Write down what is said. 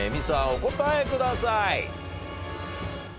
お答えください。